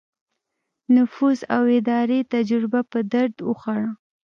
نفوذ او اداري تجربه په درد وخوړه.